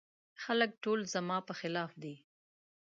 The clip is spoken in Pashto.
خلګ ټول زما په خلاف دي.